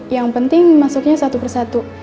yang penting masuknya satu persatu